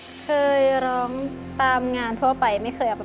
ทั้งในเรื่องของการทำงานเคยทำนานแล้วเกิดปัญหาน้อย